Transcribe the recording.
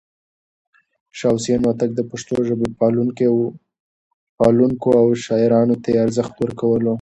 شاه حسين هوتک د پښتو ژبې پالونکی و او شاعرانو ته يې ارزښت ورکولو.